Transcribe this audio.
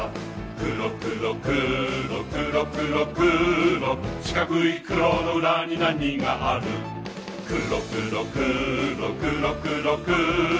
くろくろくろくろくろくろしかくいくろのうらになにがあるくろくろくろくろくろくろ